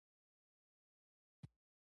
موسیقي د ښکلا یو نه ختمېدونکی هنر دی.